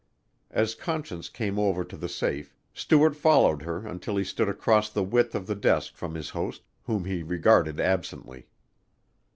As Conscience came over to the safe Stuart followed her until he stood across the width of the desk from his host whom he regarded absently.